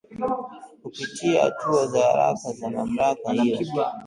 kupitia hatua za haraka za mamlaka hiyo